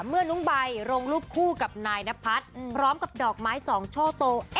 เมื่อน้องใบลงรูปคู่กับนายนพัฒน์พร้อมกับดอกไม้สองช่อโต